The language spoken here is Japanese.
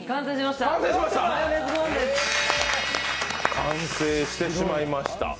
完成してしまいました。